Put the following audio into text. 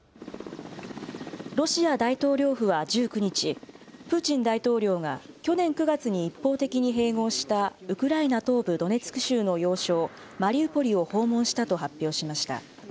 ロシア大統領府は１９日、プーチン大統領が去年９月に一方的に併合したウクライナ東部ドネツク州の要衝、マリウポリを訪問したと発表しました。